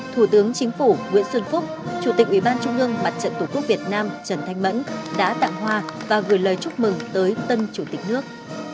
thủ tướng chính phủ nguyễn xuân phúc chủ tịch ủy ban trung ương mặt trận tổ quốc việt nam trần thanh mẫn đã tặng hoa và gửi lời chúc mừng tới tân chủ tịch nước